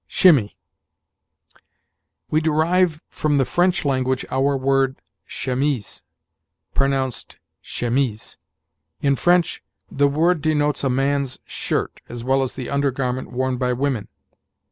SHIMMY. "We derive from the French language our word chemise pronounced shemmeeze. In French, the word denotes a man's shirt, as well as the under garment worn by women.